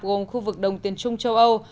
gồm khu vực đồng tiền trung châu âu